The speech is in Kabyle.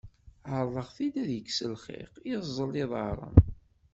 Ɛerḍeɣ-t-id ad yekkes lxiq, yeẓẓel iḍarren.